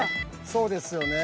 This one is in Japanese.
そうですよね。